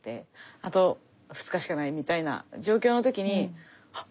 あと２日しかないみたいな状況の時にはっ！